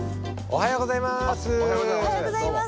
おはようございますどうも。